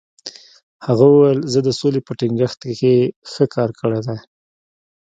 هغه وویل، زه د سولې په ټینګښت کې ښه کار کړی دی.